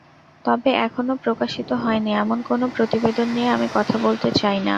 তবে এখনো প্রকাশিত হয়নি—এমন কোনো প্রতিবেদন নিয়ে আমি কথা বলতে চাই না।